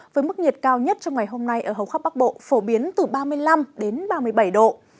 với mức nhiệt cao nhất trong ngày hôm nay ở hầu khắp bắc bộ phổ biến từ ba mươi năm đến ba mươi bảy độ